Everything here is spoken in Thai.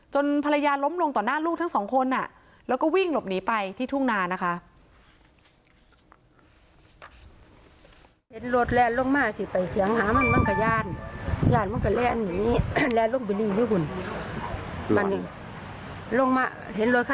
ภรรยาล้มลงต่อหน้าลูกทั้งสองคนแล้วก็วิ่งหลบหนีไปที่ทุ่งนานะคะ